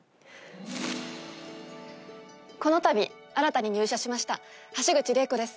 このたび新たに入社しました橋口麗子です。